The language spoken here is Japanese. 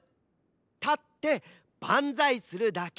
たってバンザイするだけ。